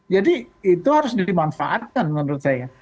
jadi itu harus dimanfaatkan menurut saya